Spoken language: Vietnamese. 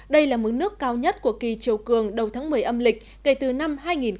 đây là mức nước cao nhất của kỳ chiều cường đầu tháng một mươi âm lịch kể từ năm hai nghìn một mươi